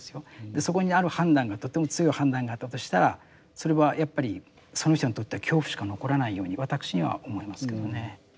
そこにある判断がとても強い判断があったとしたらそれはやっぱりその人にとっては恐怖しか残らないように私には思えますけどね。